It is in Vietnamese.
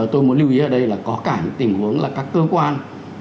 tôi muốn lưu ý ở đây là có cả những tình huống là các cơ quan